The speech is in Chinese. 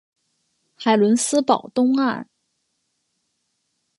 海伦斯堡东岸。